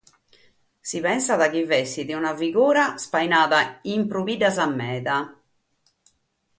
Si pessat chi esseret una figura ispainada in medas prus biddas.